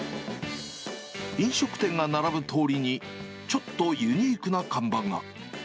飲食店が並ぶ通りに、ちょっとユニークの看板が。